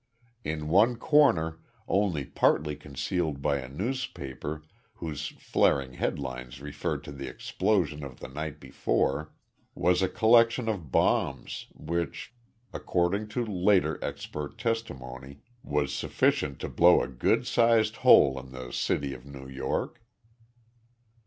In one corner, only partly concealed by a newspaper whose flaring headlines referred to the explosion of the night before, was a collection of bombs which, according to later expert testimony was sufficient to blow a good sized hole in the city of New York.